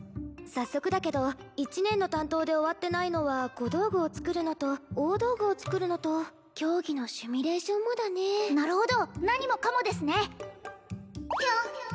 早速だけど１年の担当で終わってないのは小道具を作るのと大道具を作るのと競技のシミュレーションもだねなるほど何もかもですね